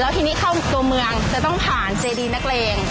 ทีนี้เข้าตัวเมืองจะต้องผ่านเจดีนักเลง